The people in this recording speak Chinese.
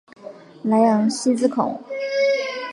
莱昂西兹孔。